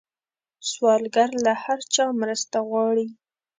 سوالګر له هر چا مرسته غواړي